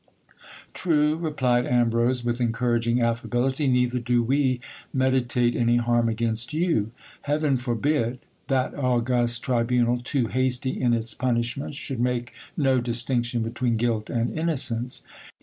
True, replied Ambrose with encouraging affability ; neither do we meditate any harm against you. Heaven forbid, that august tribunal, too hasty in its punishments, should make no distinction between guilt and innocence.